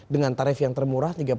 dengan tarif yang termurah